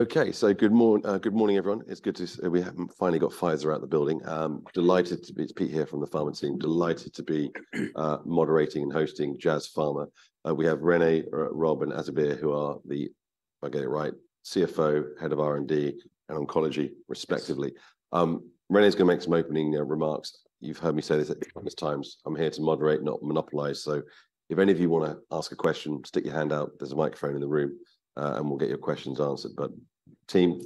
Okay, good morning, everyone. It's good to see we have finally got Pfizer out the building. I'm delighted to be. It's Pete here from the Pharma team. Delighted to be moderating and hosting Jazz Pharma. We have Renée, Rob, and Abizer, who are the, if I get it right, CFO, Head of R&D, and Oncology, respectively. Renée is gonna make some opening remarks. You've heard me say this at countless times, I'm here to moderate, not monopolize. So if any of you wanna ask a question, stick your hand out. There's a microphone in the room. We'll get your questions answered. But, team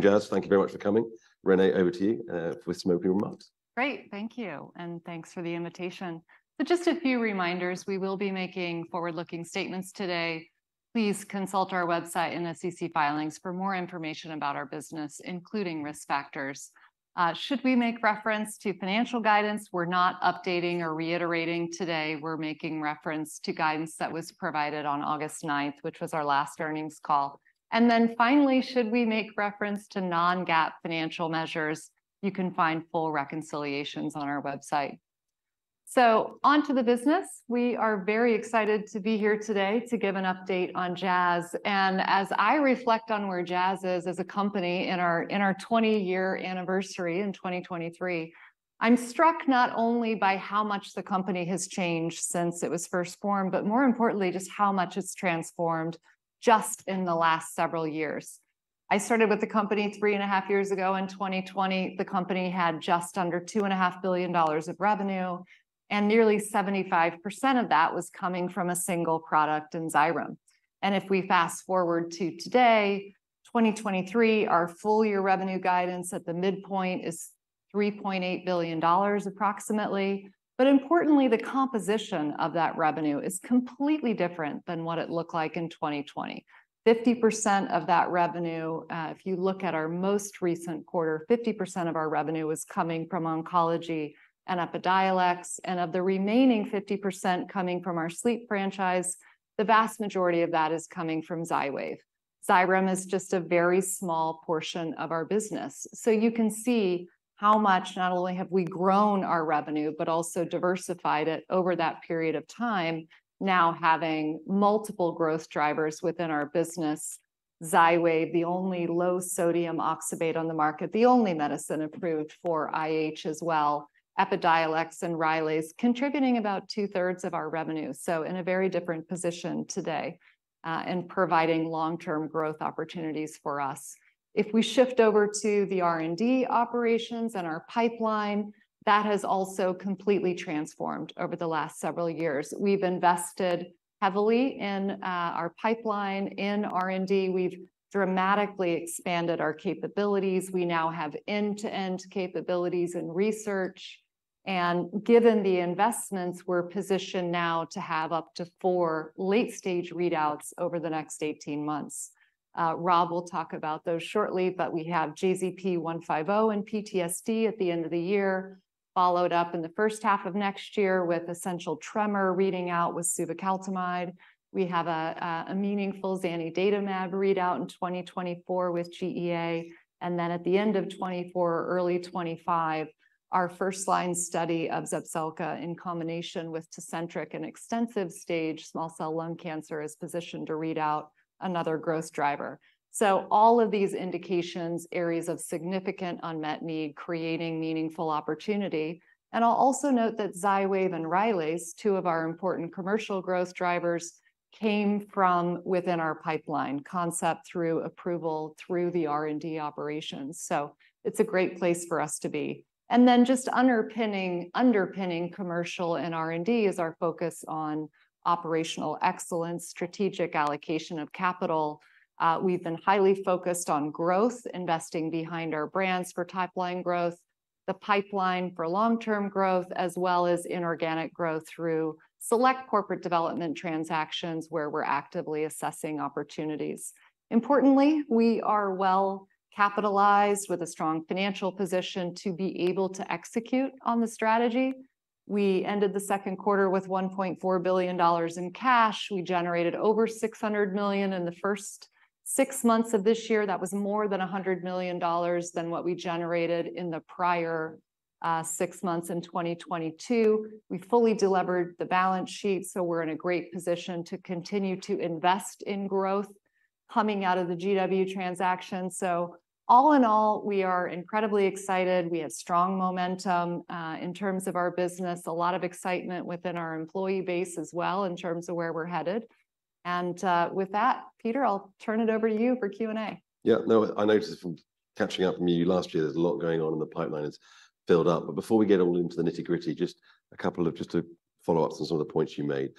Jazz, thank you very much for coming. Renée, over to you with some opening remarks. Great, thank you, and thanks for the invitation. So just a few reminders, we will be making forward-looking statements today. Please consult our website and SEC filings for more information about our business, including risk factors. Should we make reference to financial guidance, we're not updating or reiterating today. We're making reference to guidance that was provided on August 9th, which was our last earnings call. And then finally, should we make reference to non-GAAP financial measures, you can find full reconciliations on our website. So on to the business, we are very excited to be here today to give an update on Jazz. As I reflect on where Jazz is as a company in our 20-year anniversary in 2023, I'm struck not only by how much the company has changed since it was first formed, but more importantly, just how much it's transformed just in the last several years. I started with the company 3.5 years ago in 2020. The company had just under $2.5 billion of revenue, and nearly 75% of that was coming from a single product in XYREM. If we fast forward to today, 2023, our full year revenue guidance at the midpoint is $3.8 billion, approximately. But importantly, the composition of that revenue is completely different than what it looked like in 2020. 50% of that revenue, if you look at our most recent quarter, 50% of our revenue was coming from oncology and EPIDIOLEX. And of the remaining 50% coming from our sleep franchise, the vast majority of that is coming from XYWAV. XYWAV is just a very small portion of our business. So you can see how much not only have we grown our revenue, but also diversified it over that period of time. Now having multiple growth drivers within our business. XYWAV, the only low-sodium oxybate on the market. The only medicine approved for IH as well, EPIDIOLEX and RYLAZE contributing about 2/3 of our revenue. So in a very different position today, and providing long-term growth opportunities for us. If we shift over to the R&D operations and our pipeline, that has also completely transformed over the last several years. We've invested heavily in our pipeline in R&D. We've dramatically expanded our capabilities. We now have end-to-end capabilities in research. Given the investments, we're positioned now to have up to four late-stage readouts over the next 18 months. Rob will talk about those shortly. But we have JZP150 and PTSD at the end of the year, followed up in the first half of next year with essential tremor reading out with suvecaltamide. We have a meaningful zanidatamab read out in 2024 with GEA. And then at the end of 2024, early 2025, our first-line study of ZEPZELCA in combination with Tecentriq and extensive stage small cell lung cancer is positioned to read out another growth driver. So all of these indications, areas of significant unmet need, creating meaningful opportunity. I'll also note that XYWAV and RYLAZE, two of our important commercial growth drivers, came from within our pipeline concept through approval, through the R&D operations. So it's a great place for us to be. Then just underpinning, underpinning commercial and R&D is our focus on operational excellence, strategic allocation of capital. We've been highly focused on growth, investing behind our brands for top-line growth, the pipeline for long-term growth, as well as inorganic growth through select corporate development transactions, where we're actively assessing opportunities. Importantly, we are well capitalized with a strong financial position to be able to execute on the strategy. We ended the second quarter with $1.4 billion in cash. We generated over $600 million in the first six months of this year. That was more than $100 million than what we generated in the prior six months in 2022. We fully delivered the balance sheet, so we're in a great position to continue to invest in growth, coming out of the GW transaction. So all in all, we are incredibly excited. We have strong momentum in terms of our business, a lot of excitement within our employee base as well in terms of where we're headed. And with that, Peter, I'll turn it over to you for Q&A. Yeah. No, I noticed from catching up from you last year, there's a lot going on in the pipeline. It's filled up. But before we get all into the nitty-gritty, just a couple to follow up on some of the points you made.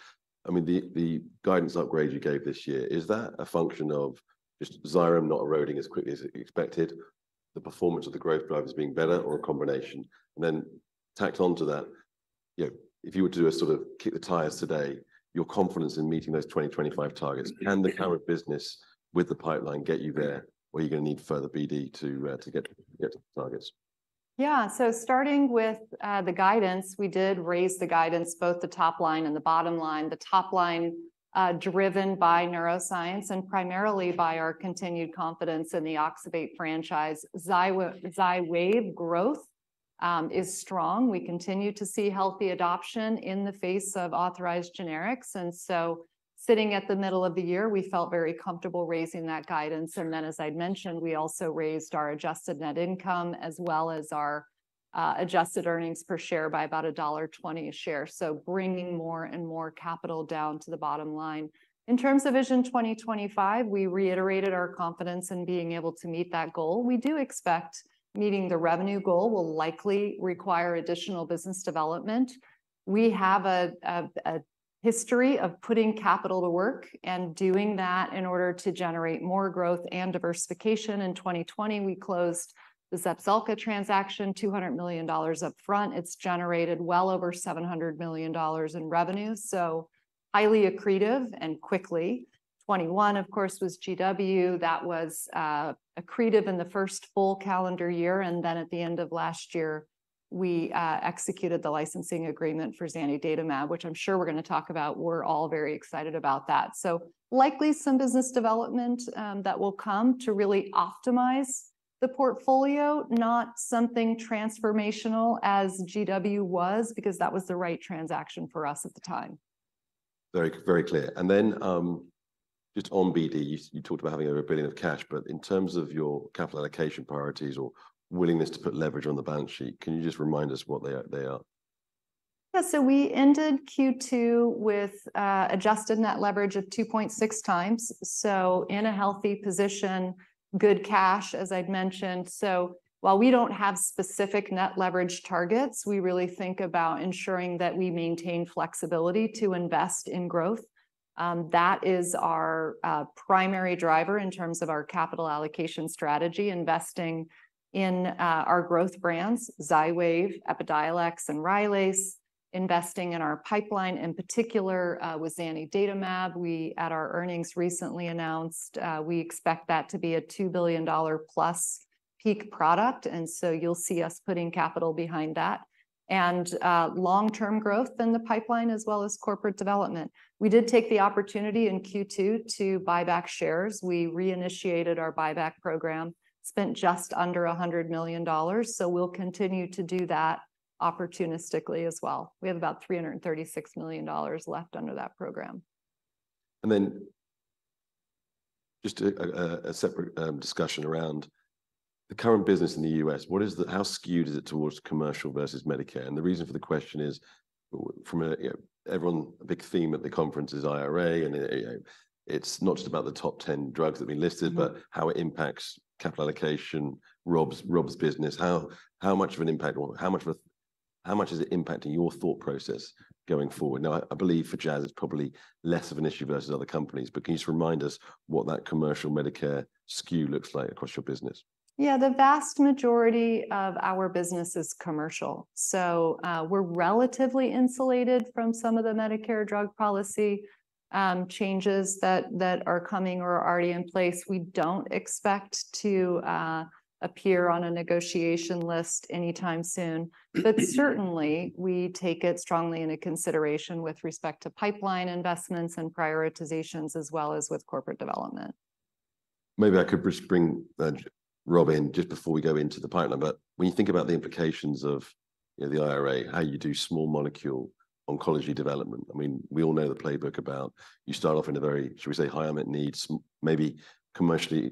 I mean, the guidance upgrade you gave this year. Is that a function of just XYREM not eroding as quickly as expected, the performance of the growth drivers being better, or a combination? And then tacked on to that, you know, if you were to do a sort of kick the tires today, your confidence in meeting those 2025 targets, can the current business with the pipeline get you there, or are you gonna need further BD to get to the targets? Yeah. So starting with the guidance, we did raise the guidance, both the top line and the bottom line. The top line driven by neuroscience and primarily by our continued confidence in the oxybate franchise. XYWAV growth is strong. We continue to see healthy adoption in the face of authorized generics. And so sitting at the middle of the year, we felt very comfortable raising that guidance. And then, as I'd mentioned, we also raised our adjusted net income, as well as our adjusted earnings per share by about $1.20 a share. So bringing more and more capital down to the bottom line. In terms of Vision 2025, we reiterated our confidence in being able to meet that goal. We do expect meeting the revenue goal will likely require additional business development. We have a history of putting capital to work and doing that in order to generate more growth and diversification. In 2020, we closed the ZEPZELCA transaction, $200 million up front. It's generated well over $700 million in revenue, so highly accretive and quickly. 2021, of course, was GW. That was accretive in the first full calendar year. Then at the end of last year, we executed the licensing agreement for zanidatamab, which I'm sure we're going to talk about. We're all very excited about that. So likely some business development that will come to really optimize the portfolio, not something transformational as GW was, because that was the right transaction for us at the time. Very, very clear. And then, just on BD, you, you talked about having over $1 billion of cash. But in terms of your capital allocation priorities or willingness to put leverage on the balance sheet, can you just remind us what they are, they are? Yeah. So we ended Q2 with adjusted net leverage of 2.6x. So in a healthy position, good cash, as I'd mentioned. So while we don't have specific net leverage targets, we really think about ensuring that we maintain flexibility to invest in growth. That is our primary driver in terms of our capital allocation strategy, investing in our growth brands, XYWAV, EPIDIOLEX, and RYLAZE Investing in our pipeline, in particular, with zanidatamab. We, at our earnings, recently announced, we expect that to be a $2+ billion peak product, and so you'll see us putting capital behind that, and long-term growth in the pipeline, as well as corporate development. We did take the opportunity in Q2 to buy back shares. We reinitiated our buyback program, spent just under $100 million. So we'll continue to do that opportunistically as well. We have about $336 million left under that program. And then just a separate discussion around the current business in the U.S. What is the— How skewed is it towards commercial versus Medicare? And the reason for the question is from you know, everyone— a big theme at the conference is IRA, and you know, it's not just about the top ten drugs that we listed- Mm-hmm. But how it impacts capital allocation, Rob's, Rob's business. How much of an impact or how much is it impacting your thought process going forward? Now, I believe for Jazz, it's probably less of an issue versus other companies, but can you just remind us what that commercial Medicare skew looks like across your business? Yeah. The vast majority of our business is commercial, so, we're relatively insulated from some of the Medicare drug policy changes that are coming or are already in place. We don't expect to appear on a negotiation list anytime soon. But certainly, we take it strongly into consideration with respect to pipeline investments and prioritizations, as well as with corporate development. Maybe I could just bring Rob in just before we go into the pipeline. But when you think about the implications of, you know, the IRA, how you do small molecule oncology development. I mean, we all know the playbook about you start off in a very, should we say, high unmet needs, maybe commercially,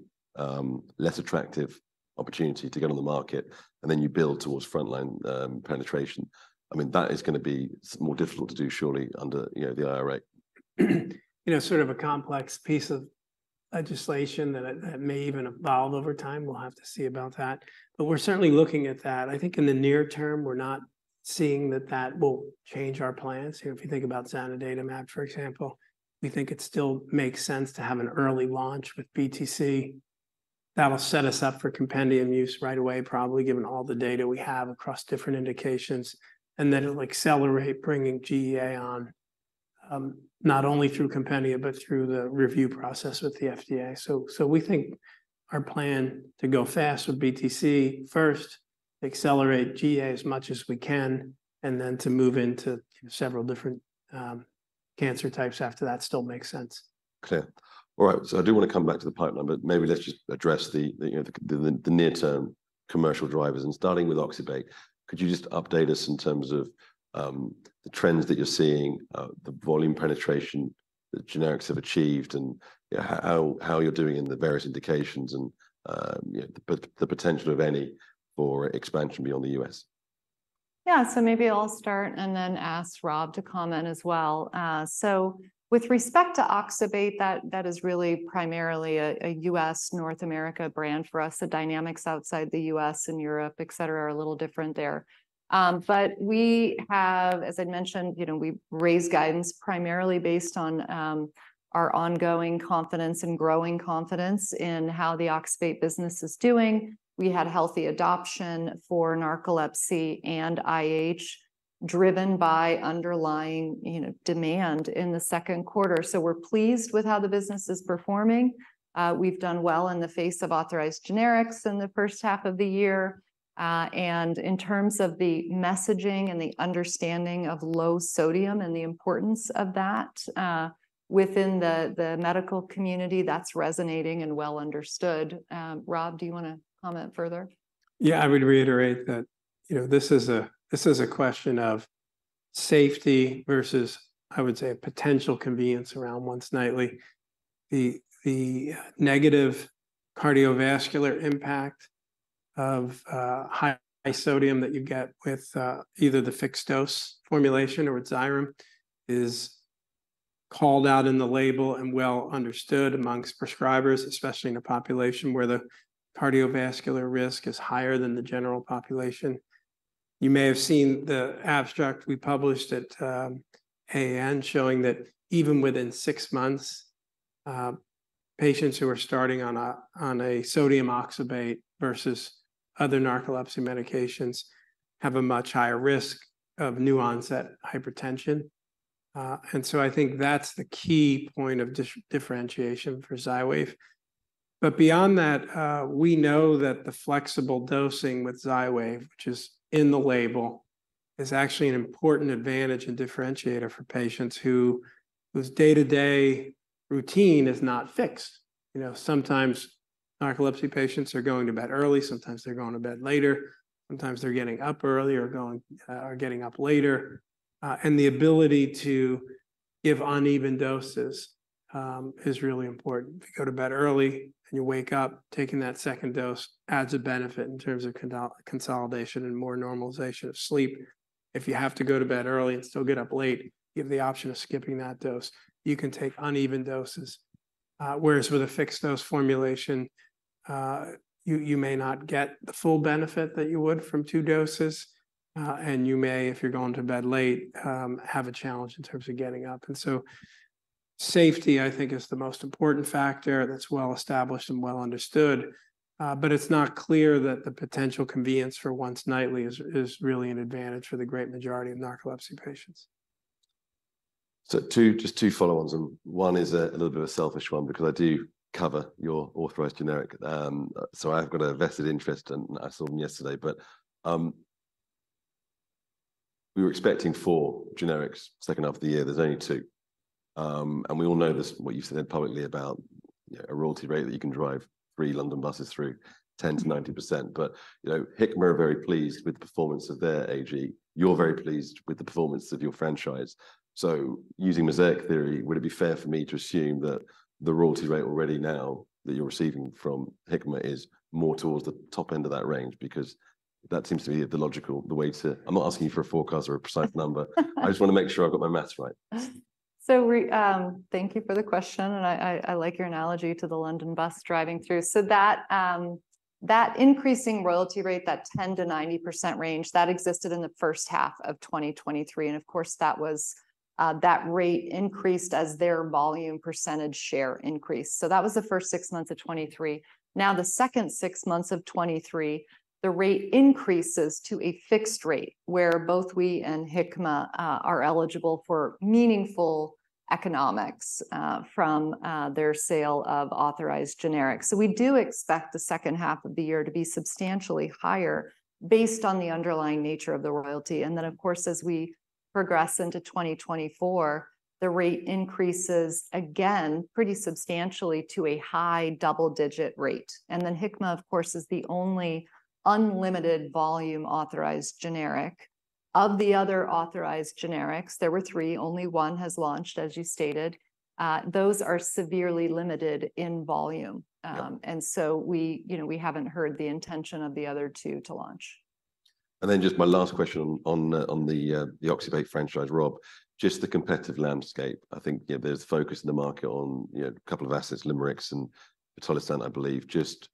less attractive opportunity to get on the market. And then you build towards frontline penetration. I mean, that is going to be more difficult to do, surely, under, you know, the IRA. You know, sort of a complex piece of legislation that, that may even evolve over time. We'll have to see about that. But we're certainly looking at that. I think in the near term, we're not seeing that that will change our plans. You know, if you think about zanidatamab, for example, we think it still makes sense to have an early launch with BTC. That'll set us up for compendium use right away, probably, given all the data we have across different indications, and then it'll accelerate bringing GEA on, not only through compendia but through the review process with the FDA. So, so we think our plan to go fast with BTC first, accelerate GEA as much as we can, and then to move into several different cancer types after that still makes sense. Clear. All right, so I do want to come back to the pipeline. But maybe let's just address the, you know, the near-term commercial drivers. And starting with oxybate, could you just update us in terms of the trends that you're seeing, the volume penetration that generics have achieved. And, you know, how you're doing in the various indications and, you know, the potential of any for expansion beyond the U.S.? Yeah. So maybe I'll start and then ask Rob to comment as well. So with respect to oxybate, that is really primarily a U.S., North America brand for us. The dynamics outside the U.S. and Europe, etc., are a little different there. But we have, as I'd mentioned, you know, we've raised guidance primarily based on our ongoing confidence and growing confidence in how the oxybate business is doing. We had healthy adoption for narcolepsy and IH, driven by underlying, you know, demand in the second quarter. So we're pleased with how the business is performing. We've done well in the face of authorized generics in the first half of the year. And in terms of the messaging and the understanding of low sodium and the importance of that, within the medical community, that's resonating and well understood. Rob, do you want to comment further? Yeah, I would reiterate that, you know, this is a question of safety versus, I would say, potential convenience around once nightly. The negative cardiovascular impact of high sodium that you get with either the fixed-dose formulation or with XYREM is called out in the label and well understood amongst prescribers, especially in a population where the cardiovascular risk is higher than the general population. You may have seen the abstract we published at AAN, showing that even within six months, patients who are starting on a sodium oxybate versus other narcolepsy medications have a much higher risk of new-onset hypertension. And so I think that's the key point of differentiation for XYWAV. But beyond that, we know that the flexible dosing with XYWAV, which is in the label, is actually an important advantage and differentiator for patients whose day-to-day routine is not fixed. You know, sometimes narcolepsy patients are going to bed early, sometimes they're going to bed later, sometimes they're getting up early or getting up later. And the ability to give uneven doses is really important. If you go to bed early and you wake up, taking that second dose adds a benefit in terms of consolidation and more normalization of sleep. If you have to go to bed early and still get up late, you have the option of skipping that dose. You can take uneven doses. Whereas with a fixed-dose formulation, you may not get the full benefit that you would from two doses, and you may, if you're going to bed late, have a challenge in terms of getting up. So, safety, I think, is the most important factor that's well-established and well understood. But it's not clear that the potential convenience for once nightly is really an advantage for the great majority of narcolepsy patients. So two, just two follow-ons, and one is a little bit of a selfish one because I do cover your authorized generic. So I've got a vested interest, and I saw them yesterday. But we were expecting four generics second half of the year, there's only two. And we all know this, from what you've said publicly about, you know, a royalty rate that you can drive three London buses through 10%-90%. But you know, Hikma are very pleased with the performance of their AG. You're very pleased with the performance of your franchise. So using mosaic theory, would it be fair for me to assume that the royalty rate already now that you're receiving from Hikma is more towards the top end of that range? Because that seems to be the logical, the way to... I'm not asking you for a forecast or a precise number. I just want to make sure I've got my math right. Thank you for the question, and I like your analogy to the London bus driving through. That increasing royalty rate, that 10%-90% range, that existed in the first half of 2023, and of course that rate increased as their volume percentage share increased. That was the first six months of 2023. Now, the second six months of 2023, the rate increases to a fixed rate, where both we and Hikma are eligible for meaningful economics from their sale of authorized generics. So we do expect the second half of the year to be substantially higher, based on the underlying nature of the royalty. And then, of course, as we progress into 2024, the rate increases again pretty substantially to a high double-digit rate. And then Hikma, of course, is the only unlimited volume authorized generic. Of the other authorized generics, there were three, only one has launched, as you stated. Those are severely limited in volume. Yeah. And so we, you know, we haven't heard the intention of the other two to launch. And then just my last question on the oxybate franchise, Rob. Just the competitive landscape. I think, you know, there's focus in the market on, you know, a couple of assets, lemborexant and pitolisant, I believe. Just,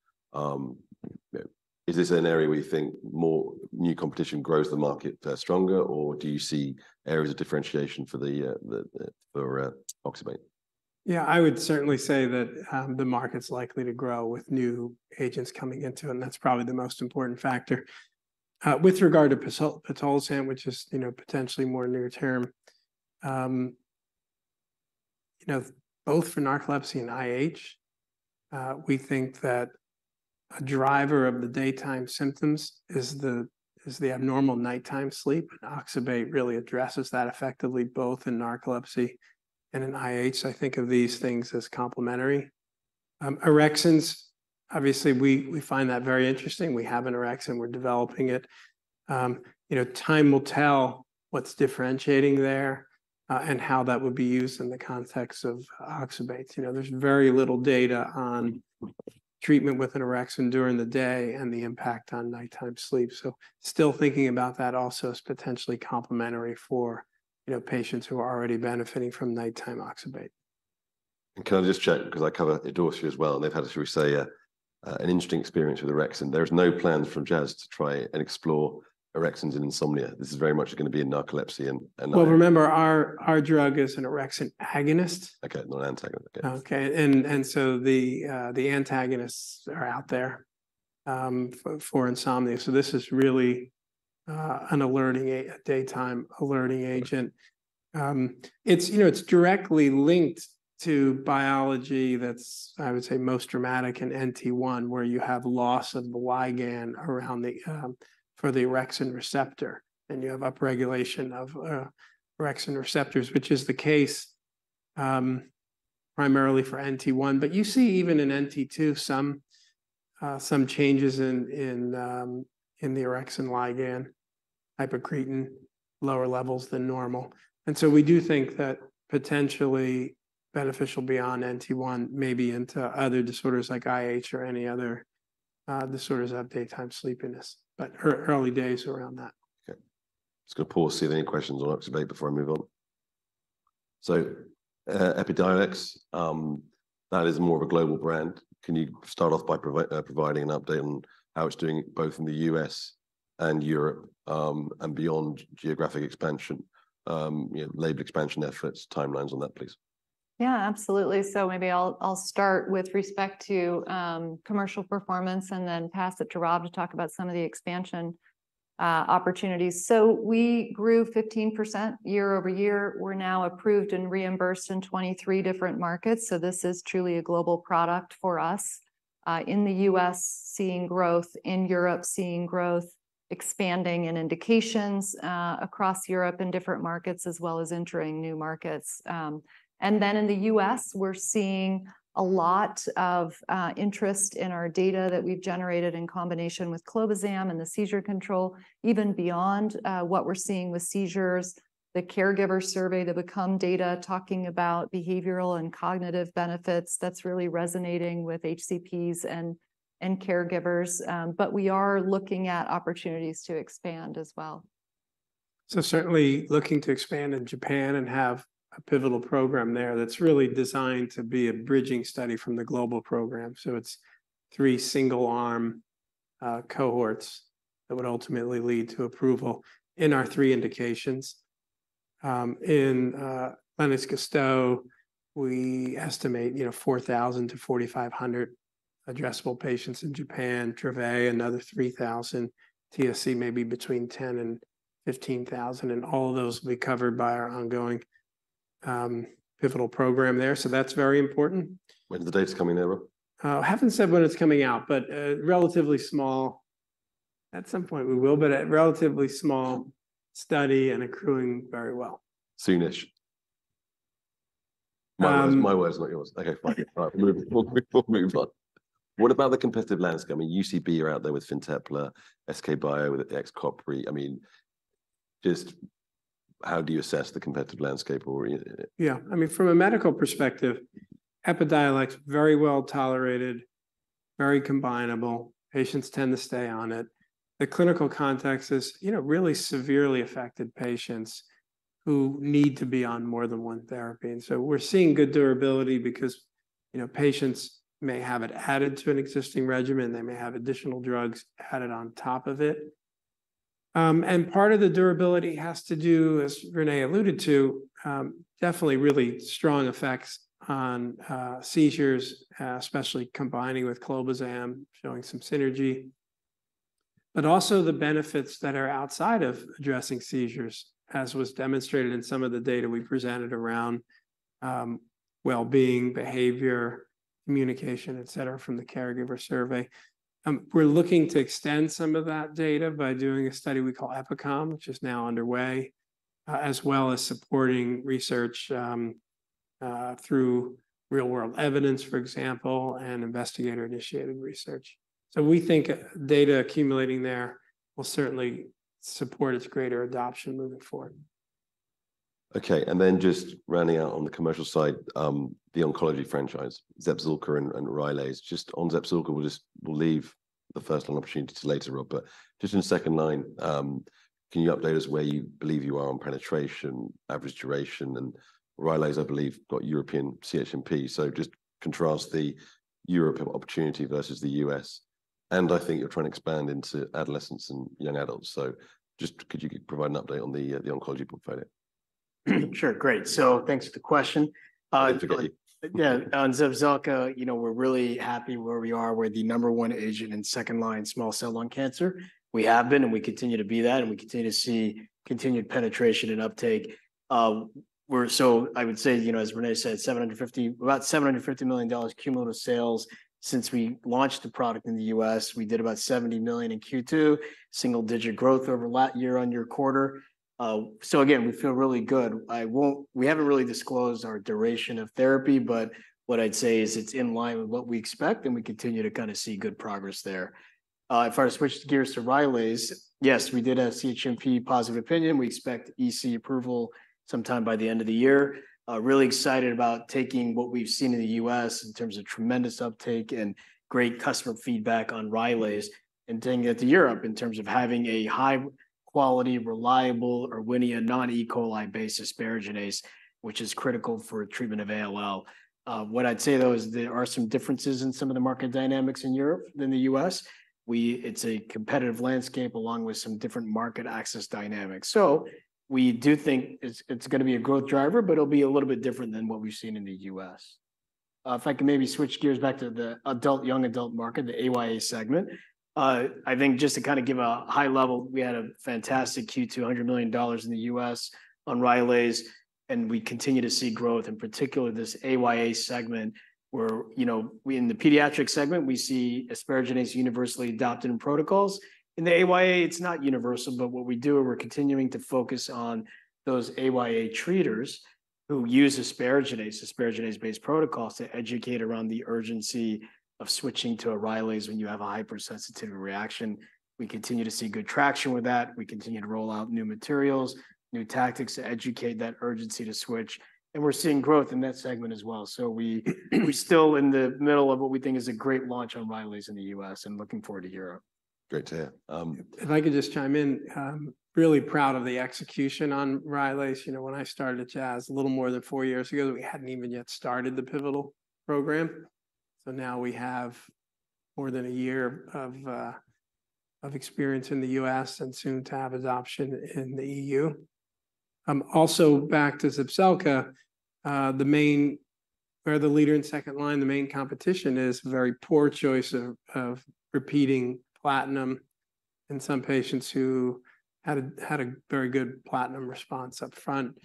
is this an area where you think more new competition grows the market stronger, or do you see areas of differentiation for oxybate? Yeah, I would certainly say that the market's likely to grow with new agents coming into it, and that's probably the most important factor. With regard to pitolisant, which is, you know, potentially more near term, you know, both for narcolepsy and IH, we think that a driver of the daytime symptoms is the abnormal nighttime sleep, and oxybate really addresses that effectively, both in narcolepsy and in IH. So I think of these things as complementary. Orexins, obviously, we find that very interesting. We have an orexin, we're developing it. You know, time will tell what's differentiating there, and how that would be used in the context of oxybates. You know, there's very little data on treatment with orexin during the day and the impact on nighttime sleep. So still thinking about that also as potentially complementary for, you know, patients who are already benefiting from nighttime oxybate. Can I just check, because I cover Idorsia as well, and they've had, shall we say, an interesting experience with orexin. There is no plan from Jazz to try and explore orexins in insomnia. This is very much going to be in narcolepsy and, and IH. Well, remember, our drug is an orexin agonist. Okay, not antagonist. Okay. Okay, and so the antagonists are out there for insomnia. So this is really an alerting, a daytime alerting agent. It's, you know, it's directly linked to biology that's, I would say, most dramatic in NT1, where you have loss of ligand around the... for the orexin receptor and you have upregulation of orexin receptors, which is the case primarily for NT1. But you see even in NT2 some changes in the orexin ligand, hypocretin, lower levels than normal. And so we do think that potentially beneficial beyond NT1, maybe into other disorders like IH or any other disorders of daytime sleepiness. But early days around that. Okay. Just going to pause, see if any questions on oxybate before I move on. So, EPIDIOLEX, that is more of a global brand. Can you start off by providing an update on how it's doing both in the U.S. and Europe, and beyond geographic expansion, you know, label expansion efforts, timelines on that, please? Yeah, absolutely. So maybe I'll start with respect to commercial performance and then pass it to Rob to talk about some of the expansion opportunities. So we grew 15% year-over-year. We're now approved and reimbursed in 23 different markets, so this is truly a global product for us. In the U.S., seeing growth, in Europe seeing growth, expanding in indications across Europe in different markets, as well as entering new markets. And then in the U.S., we're seeing a lot of interest in our data that we've generated in combination with clobazam and the seizure control. Even beyond what we're seeing with seizures, the caregiver survey, the BECOME data, talking about behavioral and cognitive benefits. That's really resonating with HCPs and caregivers. But we are looking at opportunities to expand as well. So certainly looking to expand in Japan and have a pivotal program there that's really designed to be a bridging study from the global program. So it's three single-arm cohorts that would ultimately lead to approval in our three indications. In Lennox-Gastaut, we estimate, you know, 4,000-4,500 addressable patients in Japan. Dravet, another 3,000. TSC may be between 10,000 and 15,000. Ad all of those will be covered by our ongoing pivotal program there. So that's very important. When are the dates coming out, Rob? Haven't said when it's coming out, but relatively small... At some point we will, but a relatively small study and accruing very well. Soon-ish. Um- My words, my words, not yours. Okay, fine. All right. We'll move on. What about the competitive landscape? I mean, UCB are out there with FINTEPLA, SK bio with the XCOPRI. I mean, just how do you assess the competitive landscape or are you in it? Yeah. I mean, from a medical perspective, EPIDIOLEX, very well tolerated, very combinable. Patients tend to stay on it. The clinical context is, you know, really severely affected patients who need to be on more than one therapy. And so we're seeing good durability because, you know, patients may have it added to an existing regimen, they may have additional drugs added on top of it. And part of the durability has to do, as Renée alluded to, definitely really strong effects on, seizures, especially combining with clobazam, showing some synergy. But also the benefits that are outside of addressing seizures, as was demonstrated in some of the data we presented around, wellbeing, behavior, communication, et cetera, from the caregiver survey. We're looking to extend some of that data by doing a study we call EpiCom, which is now underway, as well as supporting research, through real-world evidence, for example, and investigator-initiated research. So we think data accumulating there will certainly support its greater adoption moving forward. Okay. And then just rounding out on the commercial side, the oncology franchise, ZEPZELCA and, and RYLAZE. Just on ZEPZELCA, we'll just- we'll leave the first-line opportunity to later, Rob. But just in the second line, can you update us where you believe you are on penetration, average duration, and RYLAZE, I believe, got European CHMP. So just contrast the Europe opportunity versus the U.S. And I think you're trying to expand into adolescents and young adults. So just could you provide an update on the oncology portfolio? Sure. Great. So thanks for the question. Forget you. Yeah, on ZEPZELCA, you know, we're really happy where we are. We're the number one agent in second-line small cell lung cancer. We have been, and we continue to be that, and we continue to see continued penetration and uptake. So I would say, you know, as Renée said, about $750 million cumulative sales since we launched the product in the U.S. We did about $70 million in Q2, single-digit growth over last year on your quarter. So again, we feel really good. We haven't really disclosed our duration of therapy. But what I'd say is it's in line with what we expect, and we continue to kind of see good progress there. If I were to switch gears to RYLAZE, yes, we did a CHMP positive opinion. We expect EC approval sometime by the end of the year. Really excited about taking what we've seen in the U.S. in terms of tremendous uptake and great customer feedback on RYLAZE, and taking it to Europe in terms of having a high-quality, reliable Erwinia, non-E. coli-based asparaginase, which is critical for treatment of ALL. What I'd say, though, is there are some differences in some of the market dynamics in Europe than the U.S. It's a competitive landscape, along with some different market access dynamics. So we do think it's gonna be a growth driver, but it'll be a little bit different than what we've seen in the U.S. If I could maybe switch gears back to the adult, young adult market, the AYA segment. I think just to kind of give a high level, we had a fantastic Q2, $100 million in the U.S. on RYLAZE. And we continue to see growth, in particular, this AYA segment, where, you know, we. In the pediatric segment, we see asparaginase universally adopted in protocols. In the AYA, it's not universal, but what we do is we're continuing to focus on those AYA treaters who use asparaginase, asparaginase-based protocols, to educate around the urgency of switching to a RYLAZE when you have a hypersensitivity reaction. We continue to see good traction with that. We continue to roll out new materials, new tactics to educate that urgency to switch, and we're seeing growth in that segment as well. We're still in the middle of what we think is a great launch on RYLAZE in the U.S., and looking forward to Europe. Great to hear. If I could just chime in. I'm really proud of the execution on RYLAZE. You know, when I started at Jazz, a little more than four years ago, we hadn't even yet started the pivotal program. So now we have more than a year of experience in the U.S., and soon to have adoption in the EU. Also back to ZEPZELCA, the main, we're the leader in second line. The main competition is very poor choice of repeating platinum in some patients who had a very good platinum response up front.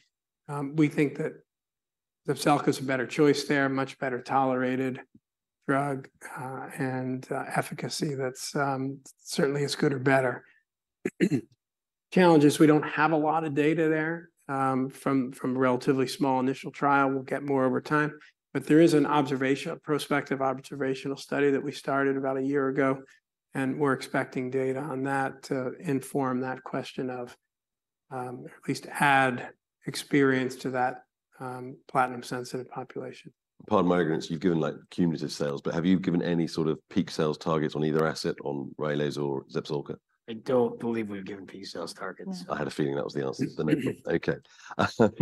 We think that ZEPZELCA is a better choice there, much better tolerated drug, and efficacy that's certainly as good or better. Challenge is, we don't have a lot of data there, from a relatively small initial trial. We'll get more over time. But there is an observational prospective study that we started about a year ago, and we're expecting data on that to inform that question of, at least add experience to that, platinum-sensitive population. Pardon my ignorance, you've given, like, cumulative sales, but have you given any sort of peak sales targets on either asset, on RYLAZE or ZEPZELCA? I don't believe we've given peak sales targets. No. I had a feeling that was the answer. Okay.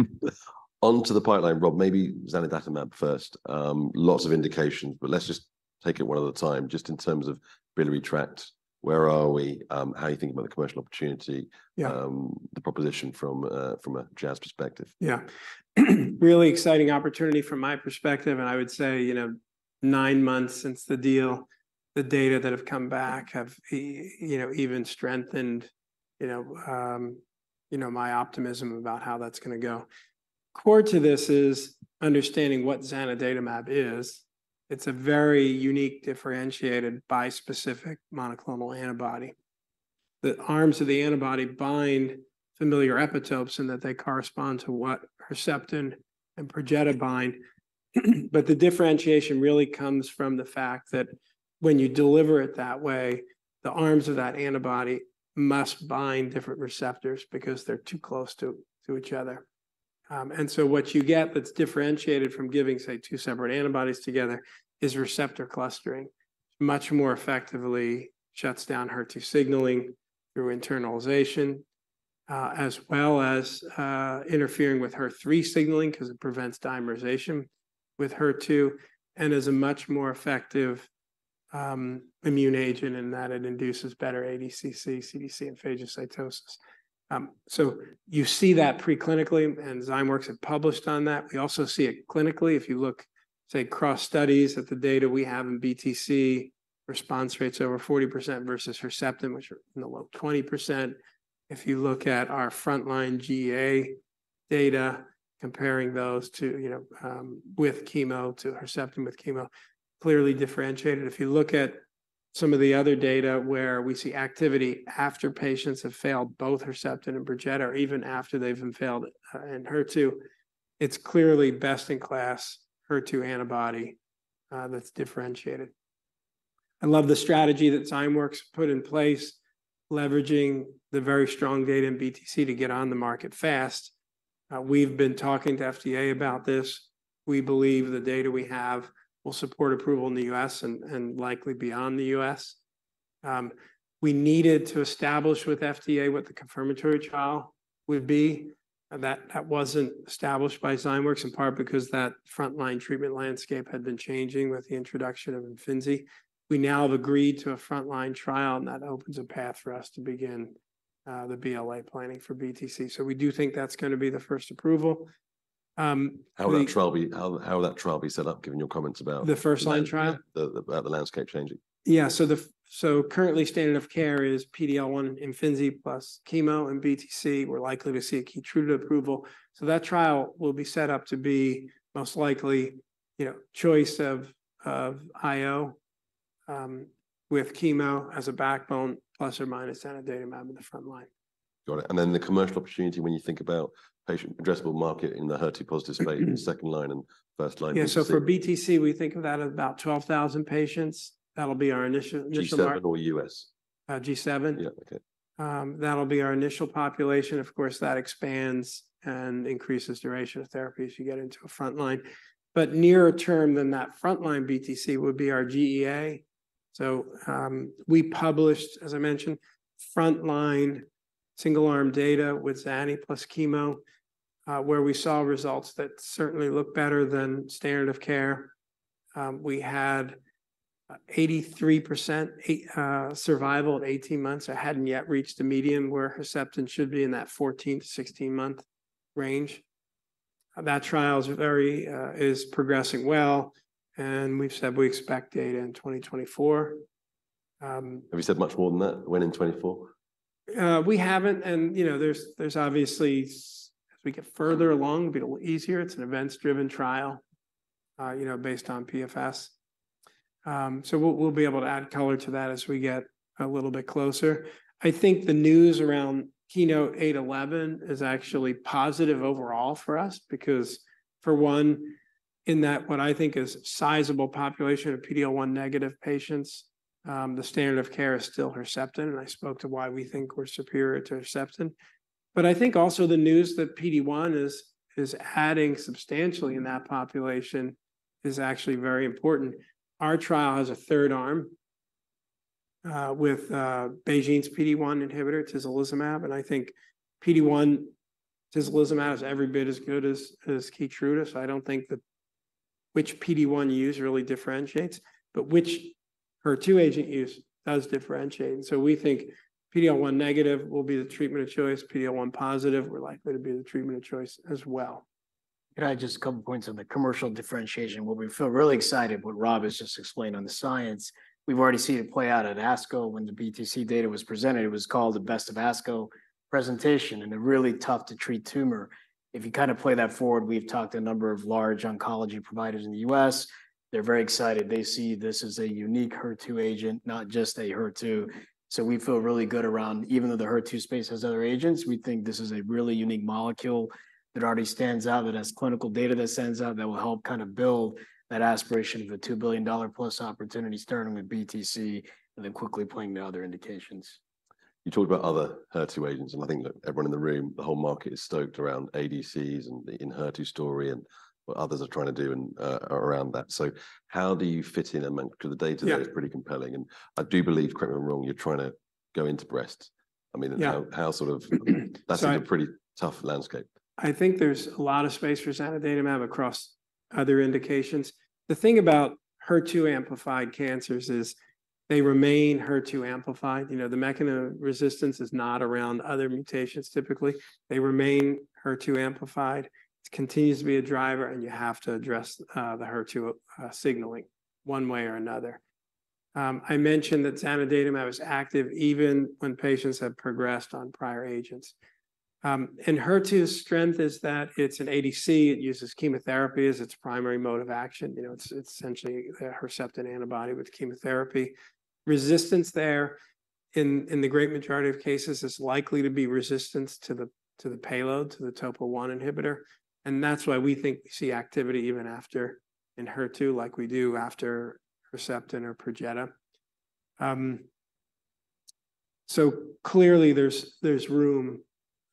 On to the pipeline, Rob, maybe zanidatamab first. Lots of indications. But let's just take it one at a time, just in terms of biliary tract. Where are we? How are you thinking about the commercial opportunity? Yeah. The proposition from a Jazz perspective. Yeah. Really exciting opportunity from my perspective, and I would say, you know, nine months since the deal, the data that have come back have, you know, even strengthened, you know, my optimism about how that's gonna go. Core to this is understanding what zanidatamab is. It's a very unique, differentiated, bispecific monoclonal antibody. The arms of the antibody bind familiar epitopes, and that they correspond to what Herceptin and Perjeta bind. But the differentiation really comes from the fact that when you deliver it that way, the arms of that antibody must bind different receptors because they're too close to each other. And so what you get that's differentiated from giving, say, two separate antibodies together, is receptor clustering. Much more effectively shuts down HER2 signaling through internalization, as well as interfering with HER3 signaling because it prevents dimerization with HER2, and is a much more effective immune agent in that it induces better ADCC, CDC, and phagocytosis. So you see that preclinically, and Zymeworks have published on that. We also see it clinically. If you look, say, cross-studies at the data we have in BTC, response rates over 40% versus Herceptin, which are in the low 20%. If you look at our frontline GEA data, comparing those to, you know, with chemo to Herceptin with chemo, clearly differentiated. If you look at some of the other data where we see activity after patients have failed both Herceptin and Perjeta, or even after they've been failed in HER2, it's clearly best-in-class HER2 antibody that's differentiated. I love the strategy that Zymeworks put in place, leveraging the very strong data in BTC to get on the market fast. We've been talking to FDA about this. We believe the data we have will support approval in the U.S. and, and likely beyond the U.S. We needed to establish with FDA what the confirmatory trial would be, and that, that wasn't established by Zymeworks, in part because that frontline treatment landscape had been changing with the introduction of IMFINZI. We now have agreed to a frontline trial, and that opens a path for us to begin the BLA planning for BTC. So we do think that's gonna be the first approval, we- How will that trial be set up, given your comments about- The first-line trial? The landscape changing? Yeah, so currently, standard of care is PD-L1 IMFINZI plus chemo and BTC. We're likely to see a KEYTRUDA approval. So that trial will be set up to be most likely, you know, choice of IO with chemo as a backbone, plus or minus zanidatamab in the front line. Got it. Then the commercial opportunity when you think about patient addressable market in the HER2-positive setting, in second-line and first-line BTC? Yeah. So for BTC, we think of that as about 12,000 patients. That'll be our initial market- G7 or U.S.? Uh, G7. Yeah, okay. That'll be our initial population. Of course, that expands and increases duration of therapy as you get into a front line. But nearer term than that front-line BTC would be our GEA. So, we published, as I mentioned, front-line single-arm data with zani plus chemo, where we saw results that certainly looked better than standard of care. We had 83% survival at 18 months. It hadn't yet reached a median where Herceptin should be in that 14-month to 16-month range. That trial is progressing well, and we've said we expect data in 2024. Have you said much more than that, when in 2024? We haven't, and you know, there's obviously... As we get further along, it'll be a little easier. It's an events-driven trial, you know, based on PFS. So we'll be able to add color to that as we get a little bit closer. I think the news around KEYNOTE-811 is actually positive overall for us. Because for one, in that what I think is sizable population of PD-L1 negative patients, the standard of care is still Herceptin, and I spoke to why we think we're superior to Herceptin. But I think also the news that PD-1 is adding substantially in that population is actually very important. Our trial has a third arm with BeiGene's PD-1 inhibitor, tislelizumab, and I think PD-1 tislelizumab is every bit as good as KEYTRUDA. So I don't think that which PD-1 you use really differentiates. But which HER2 agent you use does differentiate. And so we think PD-L1 negative will be the treatment of choice, PD-L1 positive, we're likely to be the treatment of choice as well. Can I just a couple points on the commercial differentiation. Well, we feel really excited what Rob has just explained on the science. We've already seen it play out at ASCO. When the BTC data was presented, it was called the Best of ASCO presentation, and a really tough to treat tumor. If you kind of play that forward, we've talked to a number of large oncology providers in the U.S., they're very excited. They see this as a unique HER2 agent, not just a HER2. So we feel really good around even though the HER2 space has other agents, we think this is a really unique molecule that already stands out, that has clinical data that stands out, that will help kind of build that aspiration of a $2+ billion opportunity, starting with BTC and then quickly playing to other indications. You talked about other HER2 agents, and I think that everyone in the room, the whole market, is stoked around ADCs and the ENHERTU story and what others are trying to do and around that. So how do you fit in among—because the data- Yeah.... is pretty compelling. I do believe, correct me if I'm wrong, you're trying to go into breast. I mean- Yeah.... how sort of- So- That's a pretty tough landscape. I think there's a lot of space for zanidatamab across other indications. The thing about HER2-amplified cancers is they remain HER2-amplified. You know, the mechanism of resistance is not around other mutations. Typically, they remain HER2-amplified. It continues to be a driver, and you have to address the HER2 signaling one way or another. I mentioned that zanidatamab is active even when patients have progressed on prior agents. And ENHERTU's strength is that it's an ADC. It uses chemotherapy as its primary mode of action. You know, it's essentially a Herceptin antibody with chemotherapy. Resistance there, in the great majority of cases, is likely to be resistance to the payload, to the TOP1 inhibitor, and that's why we think we see activity even after ENHERTU, like we do after Herceptin or Perjeta. So clearly there's room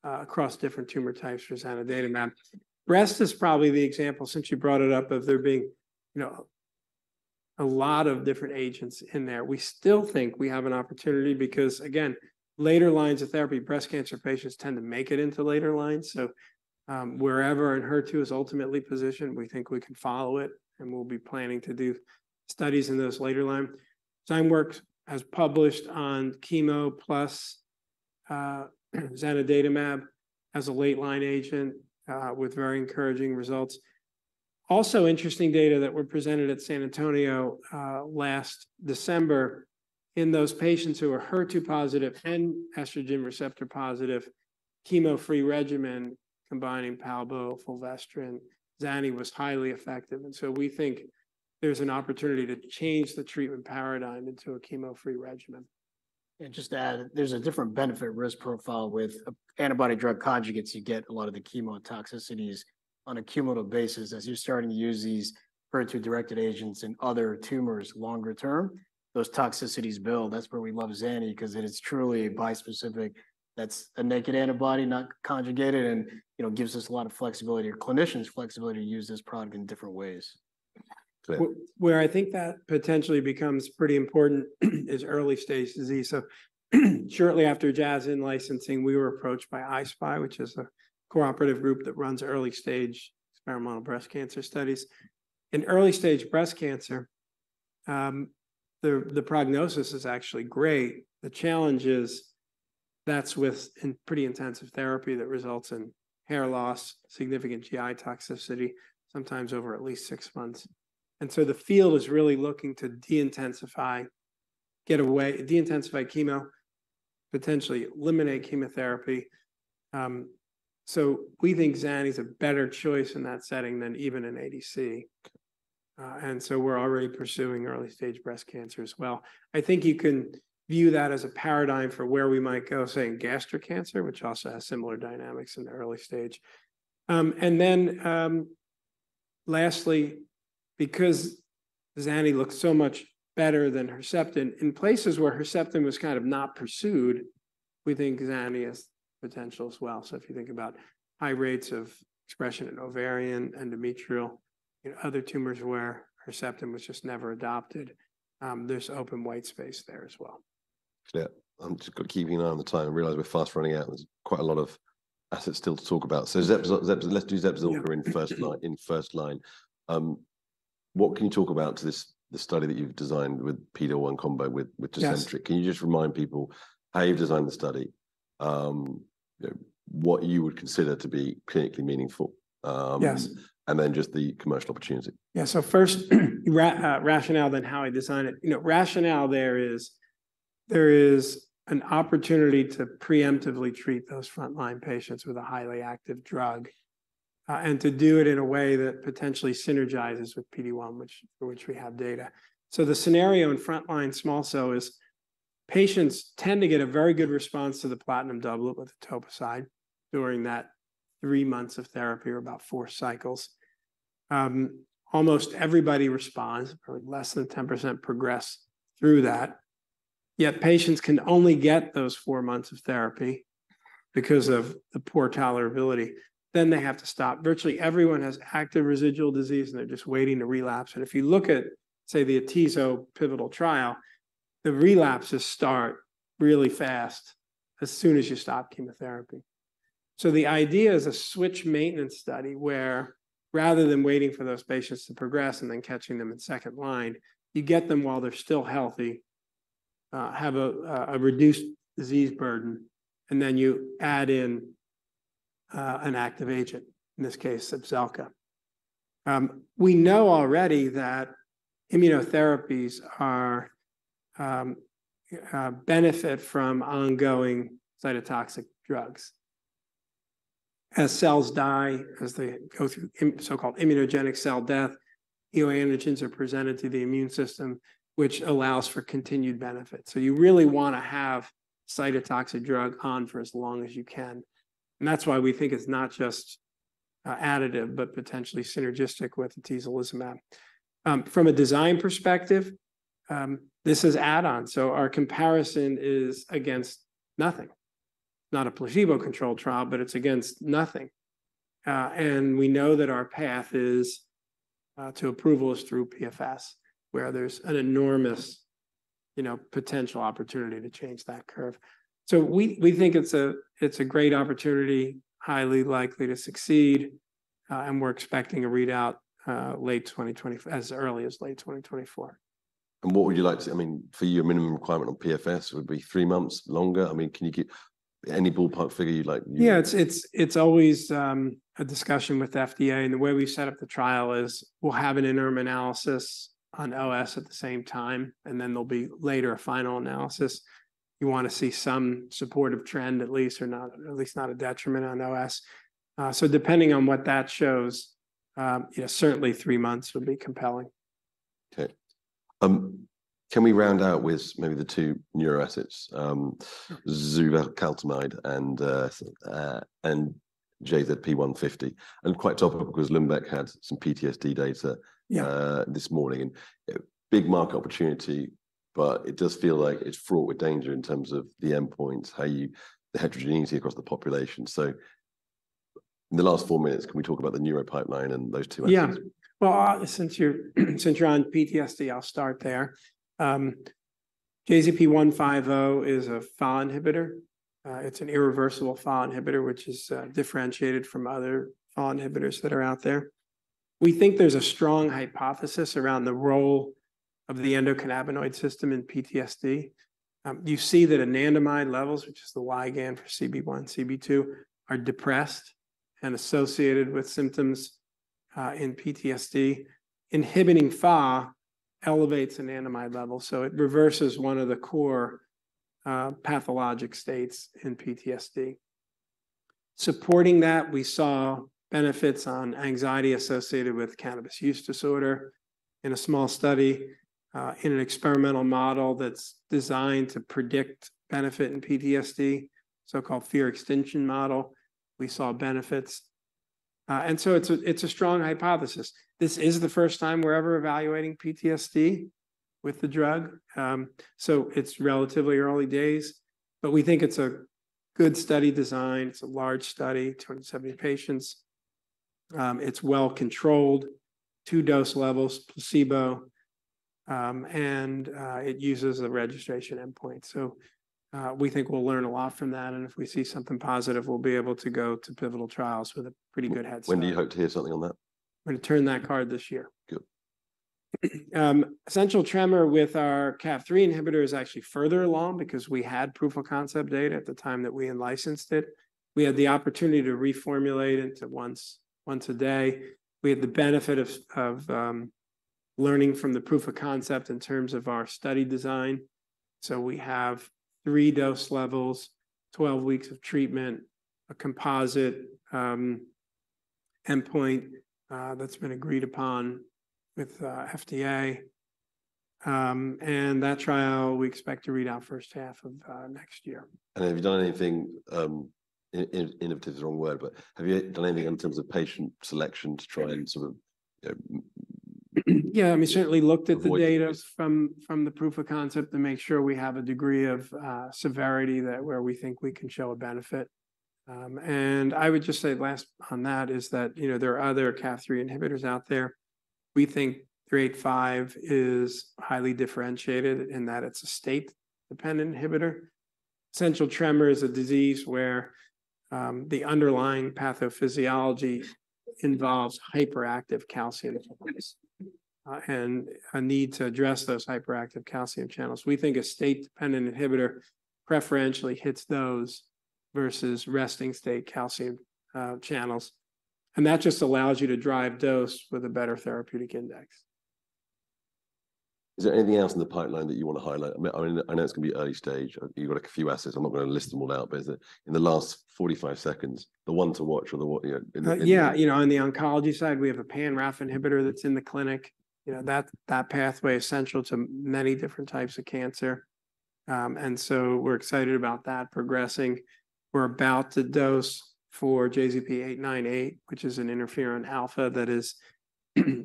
across different tumor types for zanidatamab. Breast is probably the example, since you brought it up, of there being, you know, a lot of different agents in there. We still think we have an opportunity because, again, later lines of therapy, breast cancer patients tend to make it into later lines. So, wherever ENHERTU is ultimately positioned, we think we can follow it, and we'll be planning to do studies in those later line. Zymeworks has published on chemo plus zanidatamab as a late line agent with very encouraging results. Also, interesting data that were presented at San Antonio, last December, in those patients who were HER2 positive and estrogen receptor positive, chemo-free regimen combining palbo, fulvestrant, zani was highly effective. And so we think there's an opportunity to change the treatment paradigm into a chemo-free regimen. Just to add, there's a different benefit risk profile. With antibody drug conjugates, you get a lot of the chemo toxicities on a cumulative basis. As you're starting to use these HER2-directed agents in other tumors longer term, those toxicities build. That's where we love zani because it is truly bispecific. That's a naked antibody, not conjugated, and, you know, gives us a lot of flexibility or clinicians flexibility to use this product in different ways. Clear. Where I think that potentially becomes pretty important is early-stage disease. So, shortly after Jazz in licensing, we were approached by I-SPY, which is a cooperative group that runs early-stage experimental breast cancer studies. In early-stage breast cancer, the prognosis is actually great. The challenge is that's within pretty intensive therapy that results in hair loss, significant GI toxicity, sometimes over at least six months. And so the field is really looking to de-intensify, get away - de-intensify chemo, potentially eliminate chemotherapy. So we think zani is a better choice in that setting than even an ADC. And so we're already pursuing early-stage breast cancer as well. I think you can view that as a paradigm for where we might go, say, in gastric cancer, which also has similar dynamics in the early stage. Lastly, because zani looks so much better than Herceptin, in places where Herceptin was kind of not pursued, we think zani has potential as well. If you think about high rates of expression in ovarian, endometrial, and other tumors where Herceptin was just never adopted, there's open white space there as well. Yeah. I'm just keeping an eye on the time and realize we're fast running out, and there's quite a lot of assets still to talk about. So ZEPZELCA in first-line. What can you talk about to this, the study that you've designed with PD-1 combo with Tecentriq? Yes. Can you just remind people how you've designed the study? What you would consider to be clinically meaningful? Yes. And then just the commercial opportunity. Yeah. So first, rationale, then how I designed it. You know, rationale there is, there is an opportunity to preemptively treat those front-line patients with a highly active drug. and to do it in a way that potentially synergizes with PD-1, which, for which we have data. So the scenario in frontline small cell is patients tend to get a very good response to the platinum doublet with etoposide during that three months of therapy or about four cycles. Almost everybody responds, probably less than 10% progress through that. Yet patients can only get those four months of therapy because of the poor tolerability, then they have to stop. Virtually everyone has active residual disease, and they're just waiting to relapse. And if you look at, say, the atezo pivotal trial, the relapses start really fast as soon as you stop chemotherapy. So the idea is a switch maintenance study, where rather than waiting for those patients to progress and then catching them in second line, you get them while they're still healthy, have a reduced disease burden, and then you add in an active agent, in this case, ZEPZELCA. We know already that immunotherapies benefit from ongoing cytotoxic drugs. As cells die, as they go through so-called immunogenic cell death, immunogens are presented to the immune system, which allows for continued benefit. So you really want to have cytotoxic drug on for as long as you can, and that's why we think it's not just additive, but potentially synergistic with atezolizumab. From a design perspective, this is add-on, so our comparison is against nothing. Not a placebo-controlled trial, but it's against nothing. And we know that our path is to approval is through PFS, where there's an enormous, you know, potential opportunity to change that curve. So we, we think it's a, it's a great opportunity, highly likely to succeed, and we're expecting a readout, late 2024—as early as late 2024. What would you like to—I mean, for you, a minimum requirement on PFS would be three months longer? I mean, can you give any ballpark figure you'd like me- Yeah, it's always a discussion with the FDA, and the way we've set up the trial is we'll have an interim analysis on OS at the same time, and then there'll be later a final analysis. You want to see some supportive trend, at least, or not, at least not a detriment on OS. So depending on what that shows, yeah, certainly three months would be compelling. Okay. Can we round out with maybe the two neuro assets, suvecaltamide and JZP150, and quite topical because Lundbeck had some PTSD data- Yeah.... this morning. And big market opportunity, but it does feel like it's fraught with danger in terms of the endpoints, how you, the heterogeneity across the population. So in the last four minutes, can we talk about the neuro pipeline and those two items? Yeah. Well, since you're, since you're on PTSD, I'll start there. JZP150 is a FAAH inhibitor. It's an irreversible FAAH inhibitor, which is differentiated from other FAAH inhibitors that are out there. We think there's a strong hypothesis around the role of the endocannabinoid system in PTSD. You see that anandamide levels, which is the ligand for CB1, CB2, are depressed and associated with symptoms in PTSD. Inhibiting FAAH elevates anandamide levels, so it reverses one of the core pathologic states in PTSD. Supporting that, we saw benefits on anxiety associated with cannabis use disorder in a small study in an experimental model that's designed to predict benefit in PTSD, so-called fear extinction model. We saw benefits. And so it's a, it's a strong hypothesis. This is the first time we're ever evaluating PTSD with the drug, so it's relatively early days, but we think it's a good study design. It's a large study, 270 patients. It's well controlled, two dose levels, placebo, and it uses the registration endpoint. So, we think we'll learn a lot from that, and if we see something positive, we'll be able to go to pivotal trials with a pretty good head start. When do you hope to hear something on that? We're going to turn that card this year. Good. Essential tremor with our Cav3 inhibitor is actually further along because we had proof of concept data at the time that we in-licensed it. We had the opportunity to reformulate it to once, once a day. We had the benefit of learning from the proof of concept in terms of our study design. So we have three dose levels, 12 weeks of treatment, a composite endpoint that's been agreed upon with FDA. And that trial, we expect to read out first half of next year. Have you done anything, innovative is the wrong word, but have you done anything in terms of patient selection to try and sort of- Yeah, we certainly looked at the data-... avoid.... from the proof of concept to make sure we have a degree of severity that where we think we can show a benefit. And I would just say last on that is that, you know, there are other Cav3 inhibitors out there. We think 385 is highly differentiated in that it's a state-dependent inhibitor. Essential tremor is a disease where the underlying pathophysiology involves hyperactive calcium channels, and a need to address those hyperactive calcium channels. We think a state-dependent inhibitor preferentially hits those versus resting state calcium channels, and that just allows you to drive dose with a better therapeutic index. Is there anything else in the pipeline that you want to highlight? I mean, I know it's going to be early stage. You've got a few assets. I'm not going to list them all out, but is it-- in the last 45 seconds, the one to watch or the what, yeah, in the- Yeah. You know, on the oncology side, we have a pan-RAF inhibitor that's in the clinic. You know, that pathway is central to many different types of cancer. And so we're excited about that progressing. We're about to dose for JZP898, which is an interferon alpha that is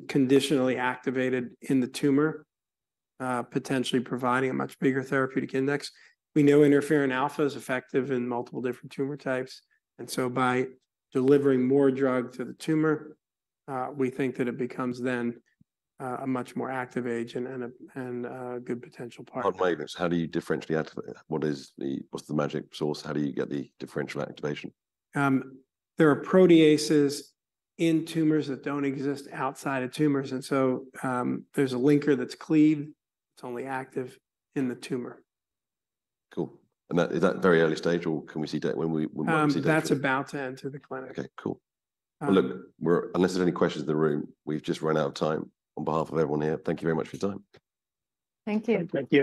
conditionally activated in the tumor, potentially providing a much bigger therapeutic index. We know interferon alpha is effective in multiple different tumor types. So by delivering more drug to the tumor, we think that it becomes then a much more active agent and a good potential partner. On maintenance, how do you differentially activate it? What is the-- what's the magic source? How do you get the differential activation? There are proteases in tumors that don't exist outside of tumors, and so, there's a linker that's cleaved. It's only active in the tumor. Cool. Is that very early stage, or can we see da-- when will we, when will we see that? That's about to enter the clinic. Okay, cool. Um- Well, look, we're, unless there's any questions in the room, we've just run out of time. On behalf of everyone here, thank you very much for your time. Thank you. Thank you.